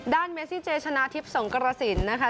เมซิเจชนะทิพย์สงกรสินนะคะ